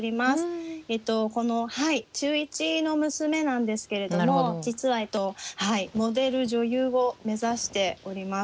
この中１の娘なんですけれども実はモデル女優を目指しております。